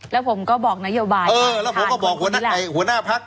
แล้วผมก็บอกนโยบายเออแล้วผมก็บอกหัวหน้าพัก